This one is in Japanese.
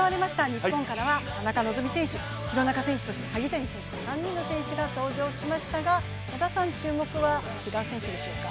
日本からは田中希実選手、廣中選手、萩谷選手と、３人の選手が登場しましたが織田さん注目は違う選手でしょうか？